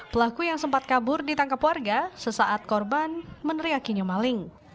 pelaku yang sempat kabur ditangkap warga sesaat korban meneriakinya maling